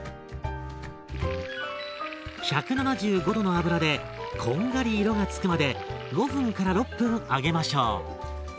１７５℃の油でこんがり色が付くまで５分から６分揚げましょう。